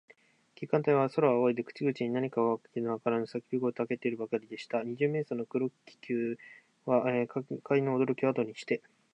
警官隊は、空をあおいで、口々に何かわけのわからぬさけび声をたてるばかりでした。二十面相の黒軽気球は、下界のおどろきをあとにして、